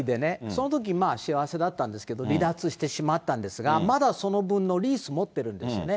そのとき、幸せだったんですけど、離脱してしまったんですが、まだその分のリース持ってるんですよね。